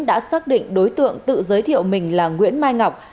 đã xác định đối tượng tự giới thiệu mình là nguyễn mai ngọc